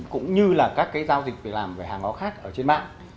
cũng như là các cái giao dịch việc làm về hàng hóa khác ở trên mạng